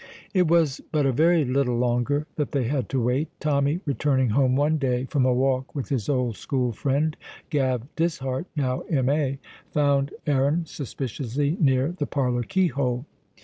It was but a very little longer that they had to wait. Tommy, returning home one day from a walk with his old school friend, Gav Dishart (now M.A.), found Aaron suspiciously near the parlour keyhole.